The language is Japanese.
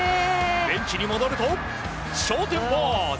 ベンチに戻ると昇天ポーズ！